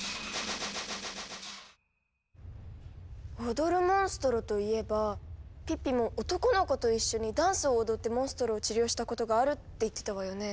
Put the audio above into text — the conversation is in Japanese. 踊るモンストロといえばピッピも男の子と一緒にダンスを踊ってモンストロを治療したことがあるって言ってたわよね。